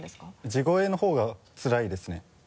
地声の方がつらいですね。